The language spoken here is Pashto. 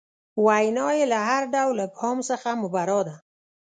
وینا یې له هر ډول ابهام څخه مبرا ده.